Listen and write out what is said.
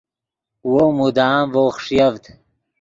وو مدام ڤؤ خݰیڤد